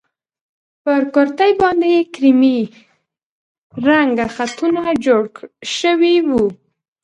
پر کورتۍ باندې يې کيريمي رنګه خطونه جوړ شوي وو.